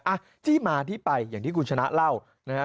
อ่ะที่มาที่ไปอย่างที่คุณชนะเล่านะฮะ